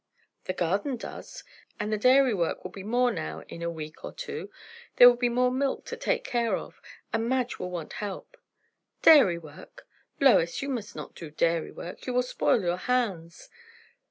"The garden does. And the dairy work will be more now in a week or two; there will be more milk to take care of, and Madge will want help." "Dairy work! Lois, you must not do dairy work. You will spoil your hands."